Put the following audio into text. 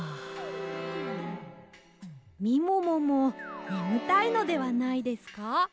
みもももねむたいのではないですか？